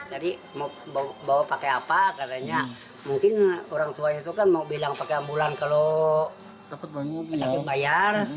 jadi mau bawa pakai apa katanya mungkin orang tua itu kan mau bilang pakai ambulans kalau dapat banyak bayar